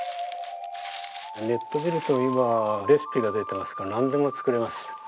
ネット見ると今レシピが出てますからなんでも作れます。